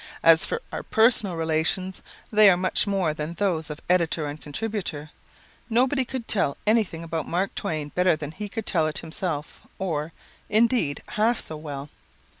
As for our personal relations, they were much more than those of editor and contributor. Nobody could tell anything about Mark Twain better than he could tell it himself or; indeed, half so well.